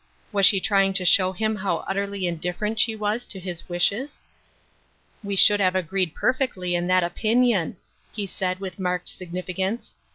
Was she trying to show him how utterly indif ferent she was to his wishes ?" We should have agreed perfectly in that opinion," he said with marked significance.